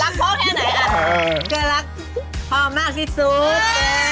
ก็รักพ่อมากที่สุด